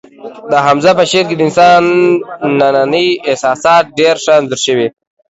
د حمزه په شعر کې د انسان ننني احساسات ډېر ښه انځور شوي